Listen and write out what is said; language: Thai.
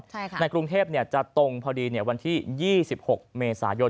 ใช่ค่ะในกรุงเทพจะตรงพอดีวันที่๒๖เมษายน